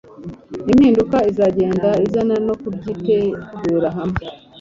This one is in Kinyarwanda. impinduka izagenda izana no kubyitegura hamwe